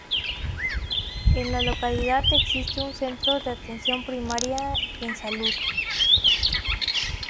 En la localidad existe un centro de atención primaria en salud.